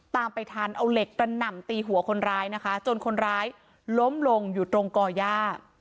ตามไปทันเอาเหล็กกระหน่ำตีหัวคนร้ายนะคะจนคนร้ายล้มลงอยู่ตรงก่อย่า